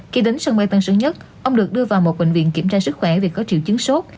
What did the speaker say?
khi đến sân bay tân sơn nhất ông được đưa vào một bệnh viện kiểm tra sức khỏe vì có triệu chứng sốt